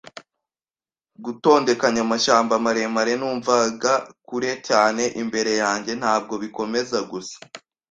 gutondekanya amashyamba maremare, numvaga kure cyane imbere yanjye ntabwo bikomeza gusa